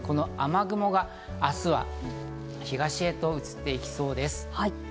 雨雲が明日は東へと移っていきそうです。